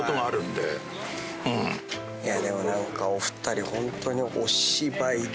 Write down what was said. でも何かお二人ホントに。